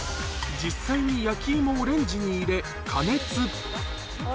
実際に焼き芋をレンジに入れ、加熱。